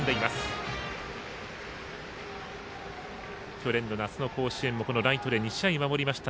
去年の夏の甲子園でもライトで守りました